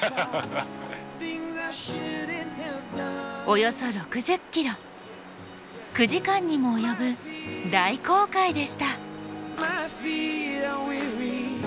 およそ６０ｋｍ９時間にも及ぶ大航海でした。